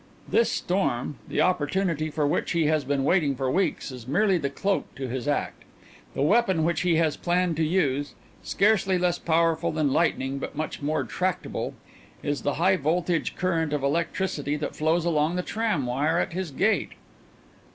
This storm, the opportunity for which he has been waiting for weeks, is merely the cloak to his act. The weapon which he has planned to use scarcely less powerful than lightning but much more tractable is the high voltage current of electricity that flows along the tram wire at his gate."